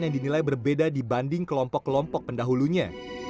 yang dinilai berbeda dibanding kelompok kelompok pendahulunya